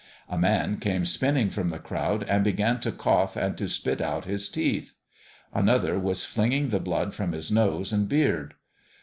A man came spinning from the crowd and began to cough and to spit out his teeth. Another was flinging the blood from his nose and beard.